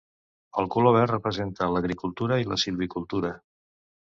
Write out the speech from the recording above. El color verd representa l'agricultura i la silvicultura.